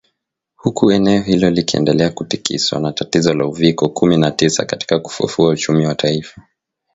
huku eneo hilo likiendelea kutikiswa na tatizo la uviko kumi na tisa katika kufufua uchumi wa taifa